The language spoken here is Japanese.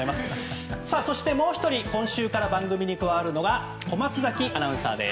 そして、もう１人今週から番組に加わるのが小松崎アナウンサーです。